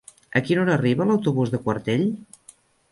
A quina hora arriba l'autobús de Quartell?